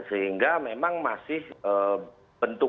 nah sehingga memang masih bentukannya yang informasinya ya itu